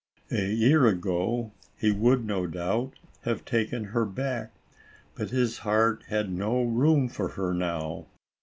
A year ago he would, no doubt, have taken her back, but his heart had no room for her now.